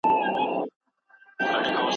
ایا ستا مقاله په کوم بل هېواد کي هم خپره سوي ده؟